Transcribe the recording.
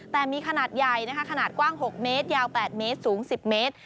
แต่มีขนาดใหญ่นะคะขนาดกว้าง๖เมตรยาว๘เมตรสูง๑๐เมตร